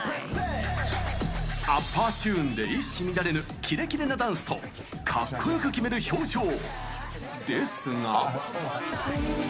アッパーチューンで一糸乱れぬキレキレなダンスとかっこよく決める表情。ですが。